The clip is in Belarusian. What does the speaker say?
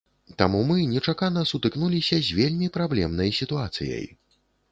Таму мы нечакана сутыкнуліся з вельмі праблемнай сітуацыяй.